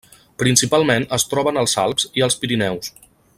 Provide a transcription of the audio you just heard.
Principalment es troba en els Alps i els Pirineus.